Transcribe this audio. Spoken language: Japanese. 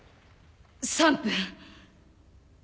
３分。